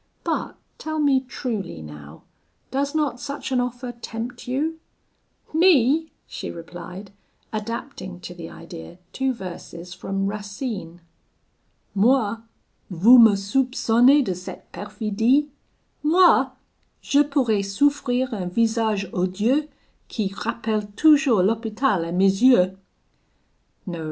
But tell me truly, now, does not such an offer tempt you?' 'Me!' she replied, adapting to the idea two verses from Racine Moi! vous me soupconnez de cette perfidie? Moi! je pourrais souffrir un visage odieux, Qui rappelle toujours l'Hopital a mes yeux? 'No!'